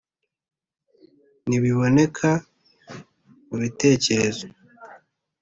ntibiboneka, mubitekerezo